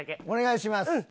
お願いします。